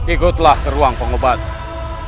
ikutlah ke ruang pengobatan